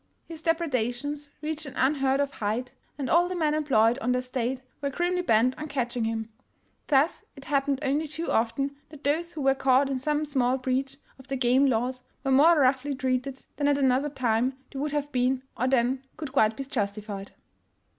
His depredations reached an unheard of height, and all the men employed on the estate were grimly bent on catch ing him. Thus it happened only too often that those who were caught in some small breach of the game laws were more roughly treated than at another time they would have been or than could quite be justified.